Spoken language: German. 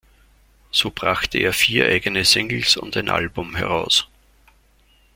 So brachte er vier eigene Singles und ein Album heraus.